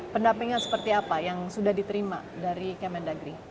pendampingan seperti apa yang sudah diterima dari kementerian negeri